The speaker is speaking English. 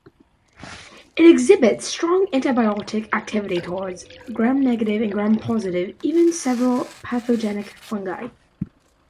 It exhibits strong antibiotic activity towards Gram-negative and Gram-positive and even several pathogenic fungi.